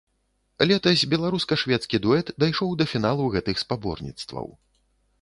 Летась беларуска-шведскі дуэт дайшоў да фіналу гэтых спаборніцтваў.